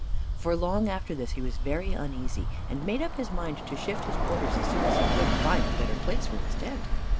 For long after this he was very uneasy, and made up his mind to shift his quarters as soon as he could find a better place for his tent.